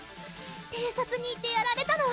偵察に行ってやられたの！